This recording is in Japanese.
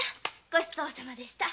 ごちそうさまでした。